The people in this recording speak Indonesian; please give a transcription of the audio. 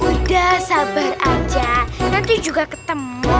udah sabar aja nanti juga ketemu